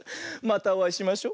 またおあいしましょ。